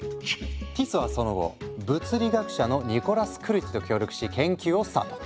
ティスはその後物理学者のニコラス・クルティと協力し研究をスタート。